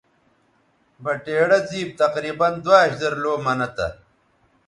بٹیڑہ زِیب تقریباً دواش زر لَو منہ تھا